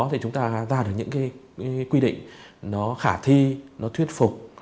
thì chúng ta ra được những cái quy định nó khả thi nó thuyết phục